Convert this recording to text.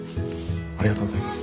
ありがとうございます。